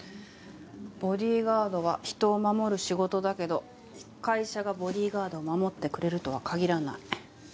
ボディーガードは人を護る仕事だけど会社がボディーガードを護ってくれるとは限らない。